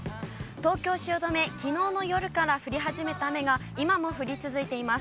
東京・汐留、きのうの夜から降り始めた雨が今も降り続いています。